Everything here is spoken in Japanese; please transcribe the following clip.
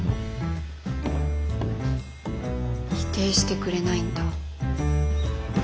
否定してくれないんだ。